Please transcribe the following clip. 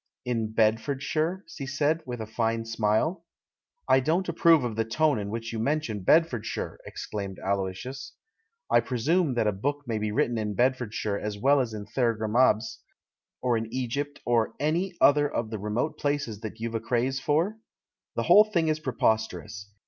"In Bedfordshire?" she said, with a fine smile. "I don't approve of the tone in which you men tion Bedfordshire!" exclaimed Aloysius. "I pre sume that a book may be written in Bedford shire as well as in Thergrimabes, or in Egypt, or any other of the remote places that you've a craze for? The whole thing is preposterous.